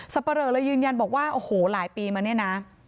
ปะเรอเลยยืนยันบอกว่าโอ้โหหลายปีมาเนี่ยนะ